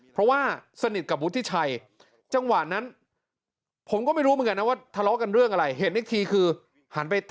เขายื่นมีดเขาบอกเอาพี่วุฒิเอามีดไป